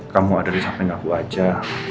kamu ada di samping aku aja